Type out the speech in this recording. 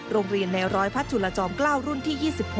โรงเรียนแนวร้อยพัฒน์จุลจอม๙รุ่นที่๒๖